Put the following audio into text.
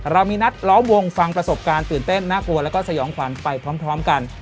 เรามีนัดล้อมวงฟังประสบการณ์ตื่นเต้นน่ากลัวแล้วก็สยองขวัญไปพร้อมกัน